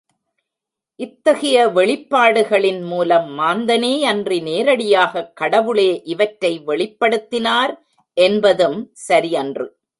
இத்தகைய வெளிப்பாடுகளின்மூலம் மாந்தனேயன்றி, நேரடியாகக் கடவுளே இவற்றை வெளிப்படுத்தினார் என்பதும் சரியன்று.